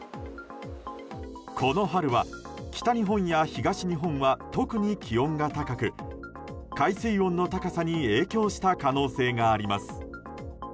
この春は、北日本や東日本は特に気温が高く海水温の高さに影響した可能性があります。